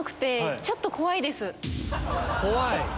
怖い？